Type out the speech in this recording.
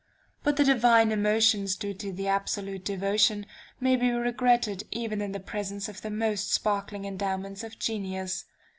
But the divine emotions due to absolute devotion, may be regretted even in the presence of the most sparkling endowments of genius.